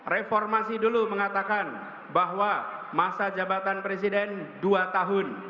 reformasi dulu mengatakan bahwa masa jabatan presiden dua tahun